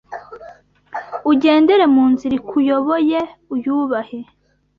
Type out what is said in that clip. ugendere mu nzira ikuyoboye, uyubahe